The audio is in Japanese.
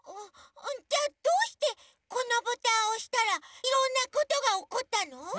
じゃあどうしてこのボタンをおしたらいろんなことがおこったの？